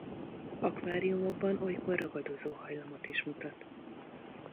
Akváriumokban olykor ragadozó hajlamot is mutat.